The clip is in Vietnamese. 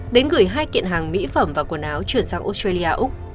đến gửi hai kiện hàng mỹ phẩm và quần áo chuyển sang australia úc